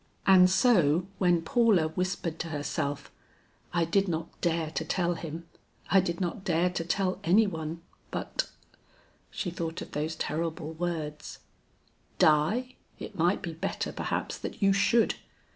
And so when Paula whispered to herself, "I did not dare to tell him; I did not dare to tell any one, but " she thought of those terrible words, "Die? It might be better, perhaps, that you should!"